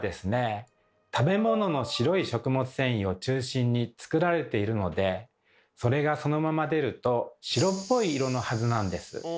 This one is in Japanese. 食べ物の白い食物繊維を中心につくられているのでそれがそのまま出ると白っぽい色のはずなんです。